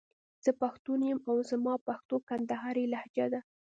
زه پښتون يم او زما پښتو کندهارۍ لهجه ده.